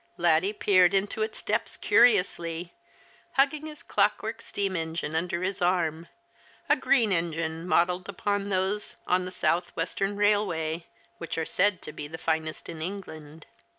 Laddie peered into its depths curiously, hugging his clockwork steam engine under his arm — a green engine modelled upon those on the South Western Eailway, which are said to be the finest in England.